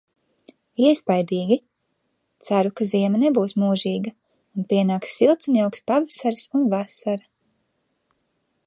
Iespaidīgi! Ceru, ka ziema nebūs mūžīga un pienaks silts un jauks pavasaris un vasara...